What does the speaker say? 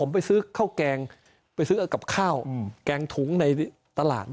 ไปซื้อกับข้าวแกงถุงในตลาด